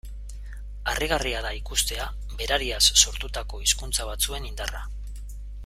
Harrigarria da ikustea berariaz sortutako hizkuntza batzuen indarra.